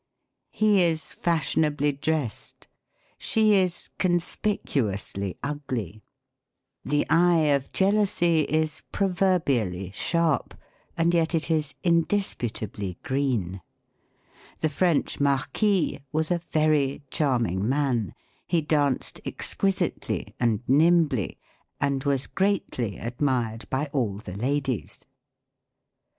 " He is fashiona bly dressed." "She is conspicuously iigly "" The eye 92 THE COMIC ENGLISH GRAMMAR. of jealousy is proverUally sliarp, and yet it w indispu tally green." " The French Marquis was a very cliarm ing man ; he danced exquisitely and nimbly, and was greatly admired by all the ladies."